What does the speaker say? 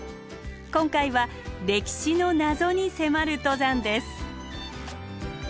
今回は歴史の謎に迫る登山です。